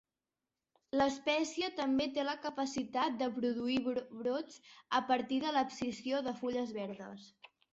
L'espècie també té la capacitat de produir brots a partir de l'abscisió de fulles verdes.